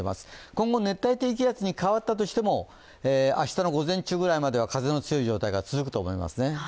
今後、熱帯低気圧に変わったとしても明日の午前中くらいまでは風の強い状態が続くと思いますね。